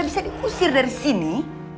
bisa diusir dari sini